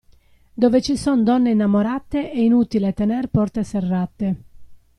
Dove ci son donne innamorate è inutile tener porte serrate.